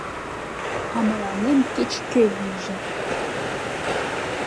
— А мыланем кеч-кӧ лийже!